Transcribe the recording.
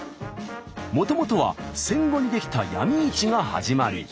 もともとは戦後に出来た闇市が始まり。